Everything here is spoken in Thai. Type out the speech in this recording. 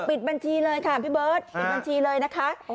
ปิดบัญชีเลยค่ะพี่เบิร์ตปิดบัญชีเลยนะคะ